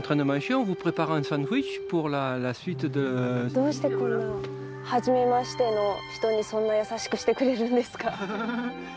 どうしてこんな初めましての人にそんな優しくしてくれるんですか？